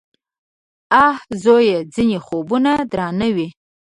_اه ! زويه! ځينې خوبونه درانه وي.